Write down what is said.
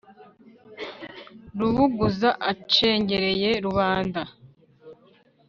rubuguza acengereye rubanda.